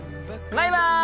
バイバイ。